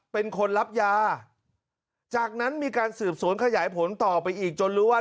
เป็นคนรับยาจากนั้นมีการสืบสวนขยายผลต่อไปอีกจนรู้ว่า